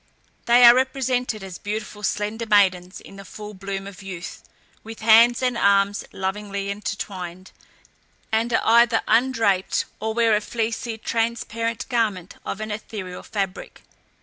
They are represented as beautiful, slender maidens in the full bloom of youth, with hands and arms lovingly intertwined, and are either undraped, or wear a fleecy, transparent garment of an ethereal fabric.